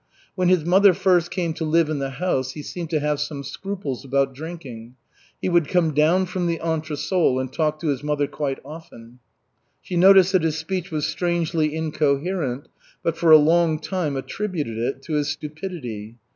When his mother first came to live in the house, he seemed to have some scruples about drinking. He would come down from the entresol and talk to his mother quite often. She noticed that his speech was strangely incoherent but for a long time attributed it to his stupidity.